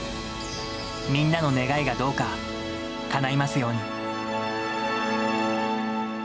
みんなの願いがどうかかないますように。